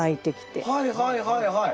はいはいはいはい。